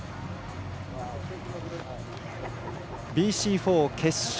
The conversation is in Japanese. ＢＣ４決勝。